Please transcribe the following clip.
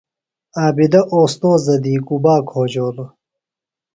عابدہ استوذہ دی گُبا کھوجولوۡ؟